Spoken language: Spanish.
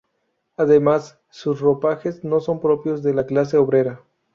Además sus ropajes no son propios de la clase obrera.